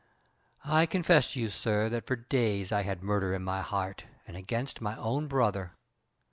I confess to you, sir, that for days I had murder in my heart, and against my own brother.